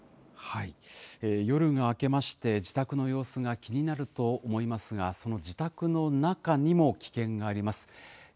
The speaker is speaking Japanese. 夜が明けまして、自宅の様子が気になると思いますが、その自宅の中にも危険があります。